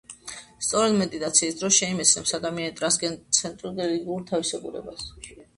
სწორედ მედიტაციის დროს შეიმეცნებს ადამიანი ტრანსცენდენტურ რელიგიურ გამოცდილებას.